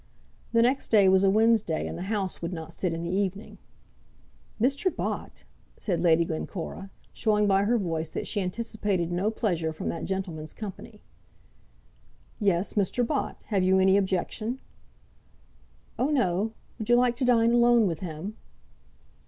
The next day was a Wednesday, and the House would not sit in the evening. "Mr. Bott!" said Lady Glencora, showing by her voice that she anticipated no pleasure from that gentleman's company. "Yes, Mr. Bott. Have you any objection?" "Oh, no. Would you like to dine alone with him?"